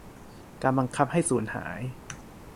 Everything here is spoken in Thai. การบังคับให้สูญหาย